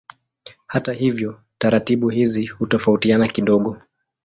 Hata hivyo taratibu hizi hutofautiana kidogo.